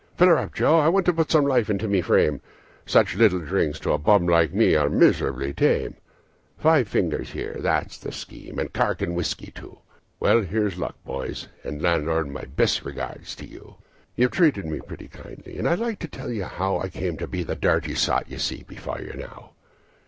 "Fill her up, Joe, I want to put some life into my frame Such little drinks to a bum like me are miserably tame; Five fingers there, that's the scheme and corking whiskey, too. Well, here's luck, boys, and landlord, my best regards to you. "You've treated me pretty kindly and I'd like to tell you how I came to be the dirty sot you see before you now.